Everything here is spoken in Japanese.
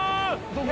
どこ？